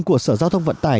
của sở giao thông vận tải